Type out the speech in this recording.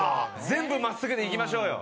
全部真っすぐでいきましょうよ。